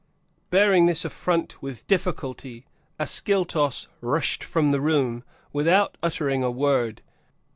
(Bearing this affront with difficulty, Ascyltos rushed from the room, without uttering a word.